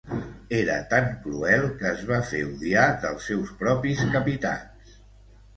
Era tan cruel que es va fer odiar dels seus propis capitans.